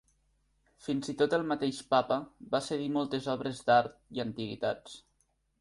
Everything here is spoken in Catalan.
Fins i tot el mateix Papa va cedir moltes obres d'art i antiguitats.